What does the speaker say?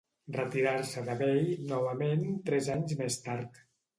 Retirant-se de bell novament tres anys més tard.